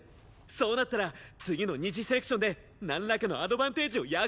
そうなったら次の二次セレクションでなんらかのアドバンテージを約束する！